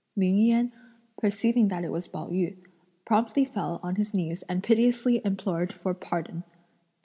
Ming Yen perceiving that it was Pao yü promptly fell on his knees and piteously implored for pardon.